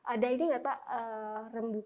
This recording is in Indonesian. ada ini gak pak rembukan